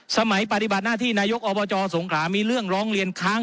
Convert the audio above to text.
ปฏิบัติหน้าที่นายกอบจสงขามีเรื่องร้องเรียนค้าง